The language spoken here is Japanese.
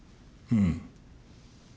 うん。